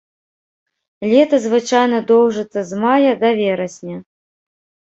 Лета звычайна доўжыцца з мая да верасня.